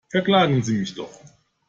Verklagen Sie mich doch!